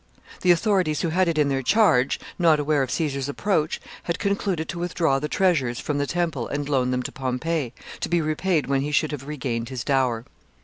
The authorities who had it in their charge, not aware of Caesar's approach, had concluded to withdraw the treasures from the temple and loan them to Pompey, to be repaid when he should have regained his Dower.